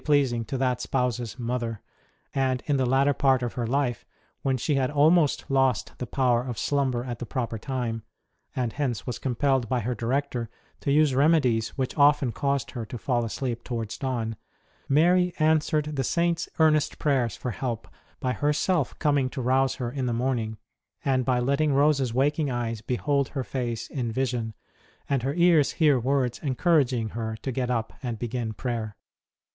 ROSE OF LIMA pleasing to that Spouse s Mother; and in the latter part of her life, when she had almost lost the power of slumber at the proper time, and hence was compelled by her director to use remedies which often caused her to fall asleep towards dawn, Mary answered the Saint s earnest prayers for help by herself coming to rouse her in the morning, and by letting Rose s waking eyes behold her face in vision, and her ears hear words encouraging her to get up and begin prayer.